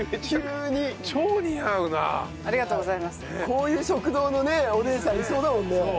こういう食堂のお姉さんいそうだもんね。